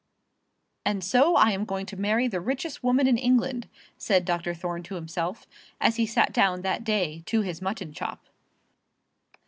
"And so I am going to marry the richest woman in England," said Dr. Thorne to himself, as he sat down that day to his mutton chop.